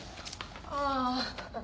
ああ。